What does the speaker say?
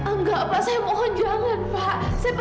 enggak pak saya mohon jangan pak